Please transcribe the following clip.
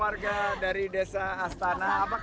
orang orang di desa wisata kita bisa lihat